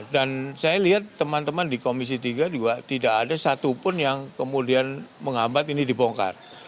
dan saya lihat teman teman di komisi tiga juga tidak ada satupun yang kemudian mengambat ini dibongkar